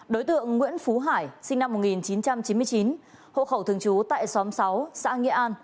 đối tượng nguyễn phú hải sinh năm một nghìn chín trăm chín mươi chín hộ khẩu thường trú tại xóm sáu xã nghĩa an